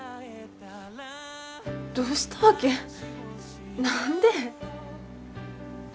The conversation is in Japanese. どうしたわけ？何で？